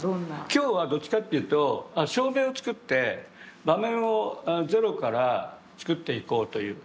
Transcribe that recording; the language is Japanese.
今日はどっちかというと照明を作って場面をゼロから作っていこうという。